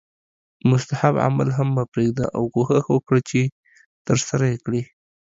مستحب عمل هم مه پریږده او کوښښ وکړه چې ترسره یې کړې